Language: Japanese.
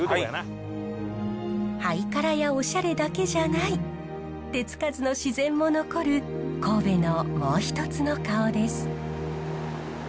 ハイカラやおしゃれだけじゃない手付かずの自然も残る神戸のもう一つの顔です。